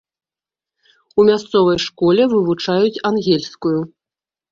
У мясцовай школе вывучаюць ангельскую.